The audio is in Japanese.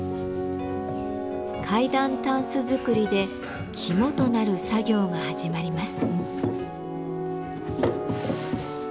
階段たんす作りで肝となる作業が始まります。